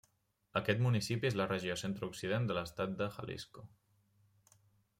Aquest municipi és a la regió centre-occident de l'estat de Jalisco.